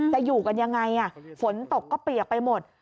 จะอยู่กันยังไงฝนตกก็เปียกไปหมด